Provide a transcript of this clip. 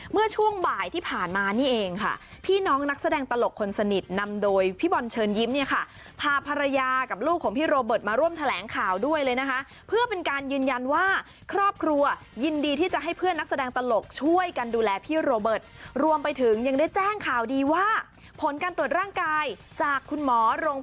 เมื่อช่วงบ่ายที่ผ่านมานี่เองค่ะพี่น้องนักแสดงตลกคนสนิทนำโดยพี่บอลเชิญยิ้มเนี่ยค่ะพาภรรยากับลูกของพี่โรเบิร์ตมาร่วมแถลงข่าวด้วยเลยนะคะเพื่อเป็นการยืนยันว่าครอบครัวยินดีที่จะให้เพื่อนนักแสดงตลกช่วยกันดูแลพี่โรเบิร์ตรวมไปถึงยังได้แจ้งข่าวดีว่าผลการตรวจร่างกายจากคุณหมอโรง